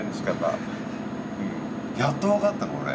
うんやっと分かったの俺。